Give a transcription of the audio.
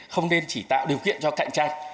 không nên chỉ tạo điều kiện cho cạnh tranh